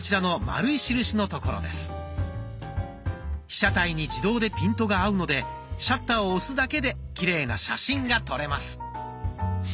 被写体に自動でピントが合うのでシャッターを押すだけできれいな写真が撮れます。